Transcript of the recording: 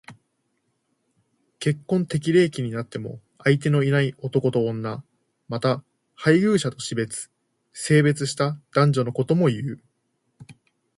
結婚適齢期になっても相手のいない男と女。また、配偶者と死別、生別した男女のことも言う。